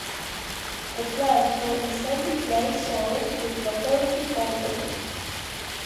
The plants grow in sandy clay soils with lateritic boulders.